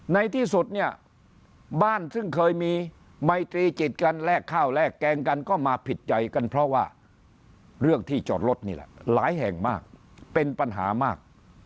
ในที่สุดเนี่ยบ้านซึ่งเคยมีไมตรีจิตกันแลกข้าวแลกแกงกันก็มาผิดใจกันเพราะว่าเรื่องที่จอดรถนี่แหละหลายแห่งมากเป็นปัญหามาก